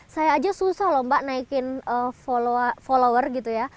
saya aja susah lho mbak naikin follower kini